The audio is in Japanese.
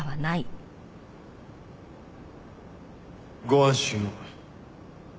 ご安心を。